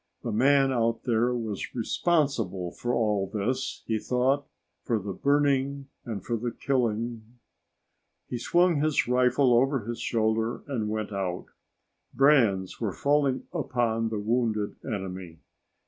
The man out there was responsible for all this, he thought, for the burning and for the killing.... He swung his rifle over his shoulder and went out. Brands were falling upon the wounded enemy.